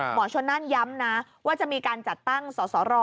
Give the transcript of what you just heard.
หมอชนนั่นย้ำนะว่าจะมีการจัดตั้งสสร